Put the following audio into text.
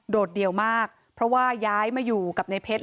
ดเดี่ยวมากเพราะว่าย้ายมาอยู่กับในเพชร